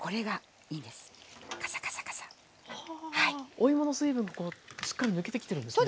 お芋の水分こうしっかり抜けてきてるんですね。